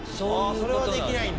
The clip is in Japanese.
それはできないんだ。